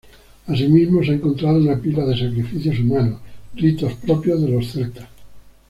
Asimismo, se ha encontrado una pila de sacrificios humanos, ritos propios de los celtas.